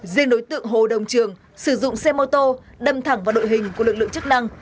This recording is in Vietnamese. riêng đối tượng hồ đồng trường sử dụng xe mô tô đâm thẳng vào đội hình của lực lượng chức năng